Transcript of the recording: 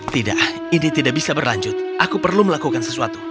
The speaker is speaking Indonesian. tidak ini tidak bisa berlanjut aku perlu melakukan sesuatu